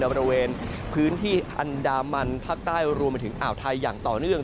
บริเวณพื้นที่อันดามันภาคใต้รวมไปถึงอ่าวไทยอย่างต่อเนื่อง